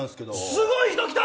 すごい人来た！